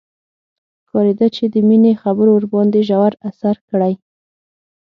ښکارېده چې د مينې خبرو ورباندې ژور اثر کړی.